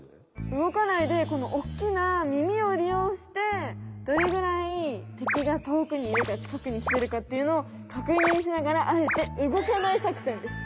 動かないでこのおっきなみみをりようしてどれぐらい敵がとおくにいるかちかくにきてるかっていうのをかくにんしながらあえて動かない作戦です。